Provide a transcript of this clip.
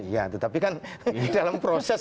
ya tetapi kan dalam proses